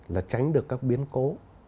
là tránh được các biến cố